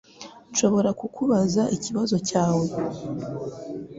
Nshobora kukubaza ikibazo cyawe?